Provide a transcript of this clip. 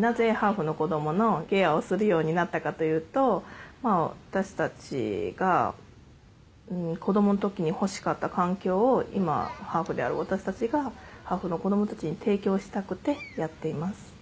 なぜハーフの子供のケアをするようになったかというと私たちが子供の時にほしかった環境を今ハーフである私たちがハーフの子供たちに提供したくてやっています。